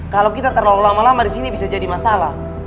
kalau kita terlalu lama lama disini bisa jadi masalah